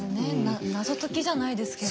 謎解きじゃないですけど。